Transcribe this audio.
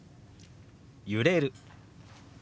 「揺れる」。